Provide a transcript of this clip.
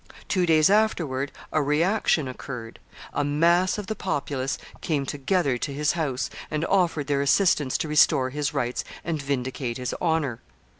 Two days afterward a reaction occurred. A mass of the populace came together to his house, and offered their assistance to restore his rights and vindicate his honor.